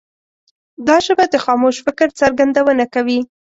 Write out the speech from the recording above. دا ژبه د خاموش فکر څرګندونه کوي.